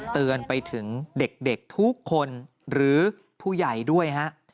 เตือนไปถึงเด็กทุกคนหรือผู้ใหญ่ด้วยฮะ